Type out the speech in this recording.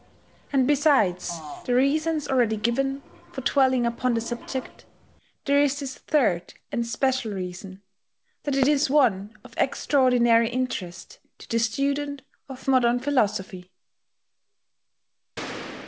And besides the reasons already given for dwelling upon the subject, there is this third and special reason, that it is one of extraordinary interest to the student of modern philosophy.